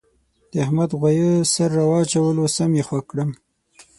د احمد غوایه سر را واچولو سم یې خوږ کړم.